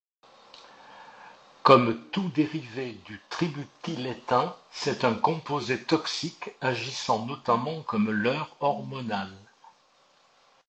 Comme tous dérivés du tributylétain, c'est un composé toxique agissant notamment comme leurre hormonal.